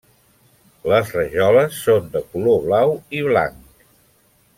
Les rajoles són de color blau i blanc.